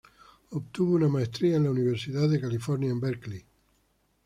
Obtuvo una maestría en la Universidad de California en Berkeley.